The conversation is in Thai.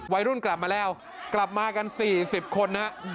วัยรุ่นกลับมาแล้วกลับมากันสี่สิบคนน่ะ